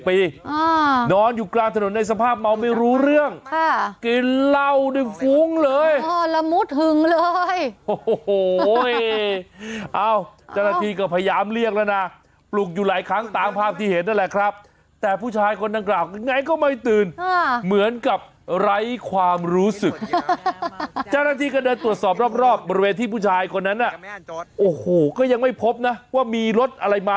โอ้โหโอ้โหโอ้โหโอ้โหโอ้โหโอ้โหโอ้โหโอ้โหโอ้โหโอ้โหโอ้โหโอ้โหโอ้โหโอ้โหโอ้โหโอ้โหโอ้โหโอ้โหโอ้โหโอ้โหโอ้โหโอ้โหโอ้โหโอ้โหโอ้โหโอ้โหโอ้โหโอ้โหโอ้โหโอ้โหโอ้โหโอ้โหโอ้โหโอ้โหโอ้โหโอ้โหโอ้โห